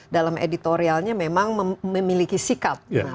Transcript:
dalam editorialnya memang memiliki sikap